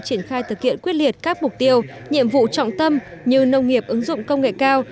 triển khai thực hiện quyết liệt các mục tiêu nhiệm vụ trọng tâm như nông nghiệp ứng dụng công nghệ cao